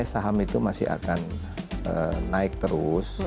saham itu masih akan naik terus